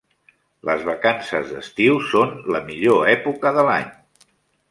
Les vacances d'estiu són la millor època de l'any!